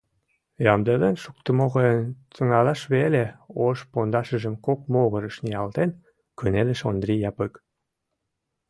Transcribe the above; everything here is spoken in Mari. — Ямдылен шуктымо гын, тӱҥалшаш веле, — ош пондашыжым кок могырыш ниялтен, кынелеш Ондри Япык.